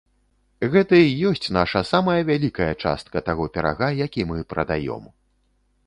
Гэта і ёсць наша самая вялікая частка таго пірага, які мы прадаём.